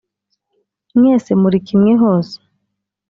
mwese muri kimwe hose